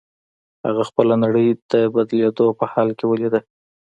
هغه خپله نړۍ د بدلېدو په حال کې وليده.